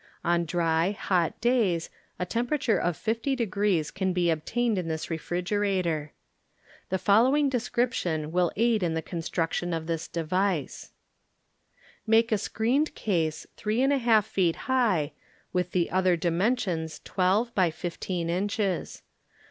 On dry, hot days a temperature of (SO degrees can be obtained in this refriger ator. The following description will aid in the construction of this device: Make a screened case three and a half feet high, with the other dimensions twelve by fifteen inches.